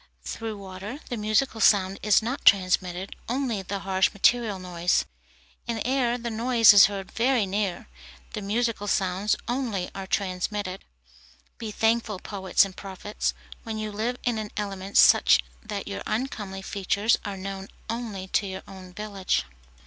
Through water the musical sound is not transmitted, only the harsh material noise. In air the noise is heard very near, the musical sounds only are transmitted. Be thankful, poets and prophets, when you live in an element such that your uncomely features are known only to your own village.